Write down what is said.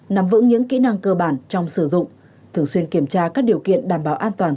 nắm vững những kỹ năng cơ bản trong sử dụng thường xuyên kiểm tra các điều kiện đảm bảo an toàn